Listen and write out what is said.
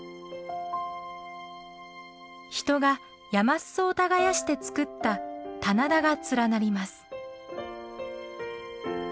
人が山裾を耕してつくった棚田が連なります。